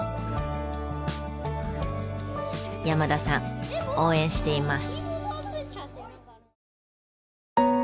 山田さん応援しています。